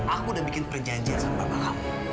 aku udah bikin perjanjian sama bapak kamu